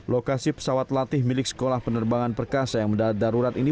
lokasi pesawat latih milik sekolah penerbangan perkasa yang mendarat darurat ini